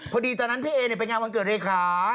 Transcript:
พอดีตอนนั้นพี่เอไปงานวันเกิดเลขา